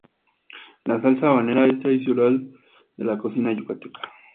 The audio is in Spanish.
La salsa habanera es tradicional de la cocina yucateca.